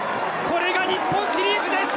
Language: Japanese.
これが日本シリーズです！